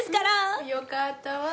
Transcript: よかったわ。